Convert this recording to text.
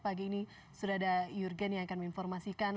pagi ini sudah ada jurgen yang akan menginformasikan